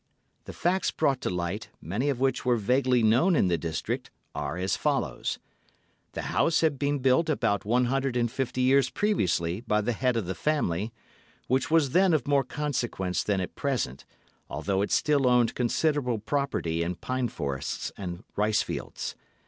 The facts brought to light, many of which were vaguely known in the district, are as follows:—The house had been built about one hundred and fifty years previously by the head of the family, which was then of more consequence than at present, although it still owned considerable property in pine forests and rice fields.